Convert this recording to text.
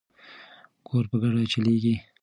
کور په ګډه چلیږي.